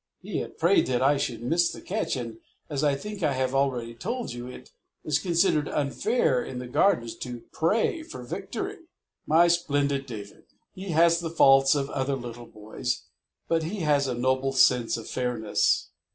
He had prayed that I should miss the catch, and as I think I have already told you, it is considered unfair in the Gardens to pray for victory. My splendid David! He has the faults of other little boys, but he has a noble sense of fairness.